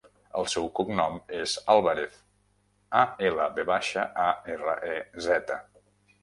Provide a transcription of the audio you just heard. El seu cognom és Alvarez: a, ela, ve baixa, a, erra, e, zeta.